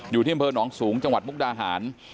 อยู่ที่อำเภอหนองสูงจังหวัดมุกดาหาร